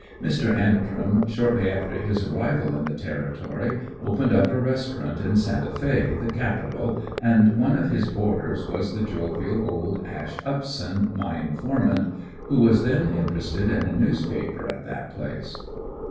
Mr. Antrim, shortly after his arrival in the Territory, opened up a restaurant in Santa Fe, the Capitol, and one of his boarders was the jovial old Ash Upson, my informant, who was then interested in a newspaper at that place.